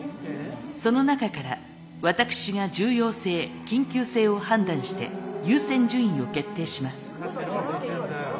その中から私が重要性緊急性を判断して優先順位を決定します。